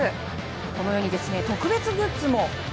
このように特別グッズも。